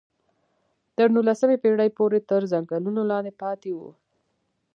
تر نولسمې پېړۍ پورې تر ځنګلونو لاندې پاتې وو.